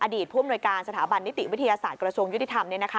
ผู้อำนวยการสถาบันนิติวิทยาศาสตร์กระทรวงยุติธรรม